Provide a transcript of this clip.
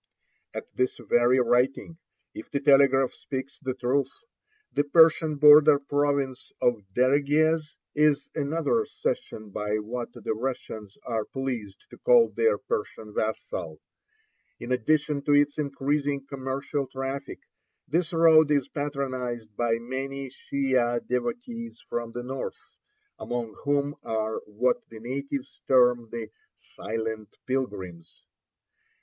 At this very writing, if the telegraph speaks the truth, the Persian border province of Dereguez is another cession by what the Russians are pleased to call their Persian vassal. In addition to Ill 99 GIVING A "SILENT PILGRIM" A ROLL TOWARD MESHED. its increasing commercial traffic, this road is patronized by many Shiah devotees from the north, among whom are what the natives term the "silent pilgrims."